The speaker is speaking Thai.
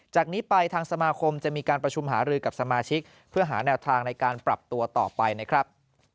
จากนี้ไปทางสมาคมจะมีการประชุมหารือกับสมาชิกเพื่อหาแนวทางในการปรับตัวต่อไปนะครับ